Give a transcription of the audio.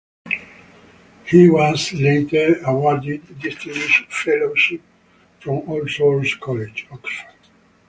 He was later awarded Distinguished Fellowship from All Souls College, Oxford.